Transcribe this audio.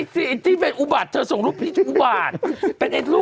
อ๋อฉันเห็นพี่เป็นอุบัติเขาส่งลูกพิษอุบัติ